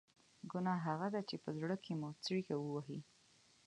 ګناه هغه ده چې په زړه کې مو څړیکه ووهي.